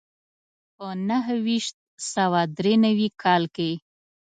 په نهه ویشت سوه دري نوي کال کې.